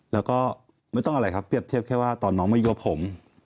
แล้วก็ไม่ต้องอะไรครับเปรียบเทียบแค่ว่าตอนน้องมายบผม